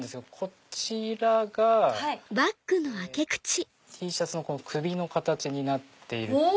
こちらがＴシャツの首の形になってる。